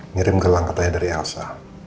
ngirim gelang katanya dari elsa